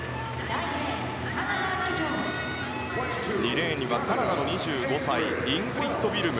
２レーンにはカナダの２５歳イングリッド・ウィルム。